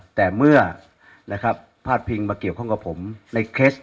ก็เหมือนรัฐมนตรีได้คะแนนน้อยที่สุด